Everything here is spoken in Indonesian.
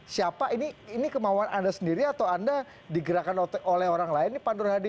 siapa ini ini kemauan anda sendiri atau anda digerakkan oleh orang lain nih pak nur hadi